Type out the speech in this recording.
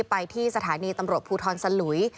ไปที่สถานีตำรวจภูทรสลุย